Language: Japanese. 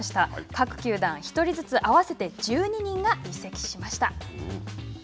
各球団１人ずつ、合わせて１２人が移籍しました。